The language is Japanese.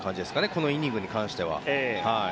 このイニングに関しては。